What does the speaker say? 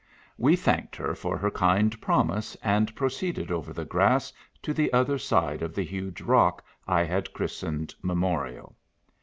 We thanked her for her kind promise, and pro ceeded over the grass to the other side of the huge rock I had christened Memorial.